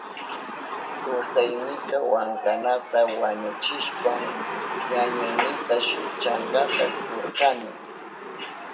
Kusaynika wankanata wañuchishpan ñañaynita shuk chankata kurkani.